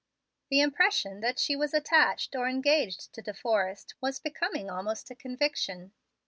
The impression that she was attached or engaged to De Forrest was becoming almost a conviction.